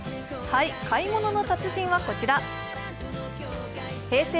「買い物の達人」は、こちら、Ｈｅｙ！